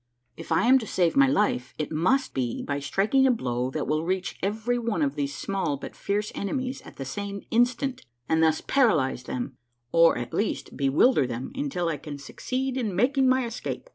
If I am to save my life, it must be by striking a blow that will reach every one of these small but fierce enemies at the same instant, and thus paralyze them, or, at least, bewilder them, until I can succeed in making my escape